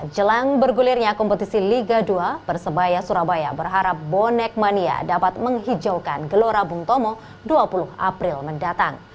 jelang bergulirnya kompetisi liga dua persebaya surabaya berharap bonek mania dapat menghijaukan gelora bung tomo dua puluh april mendatang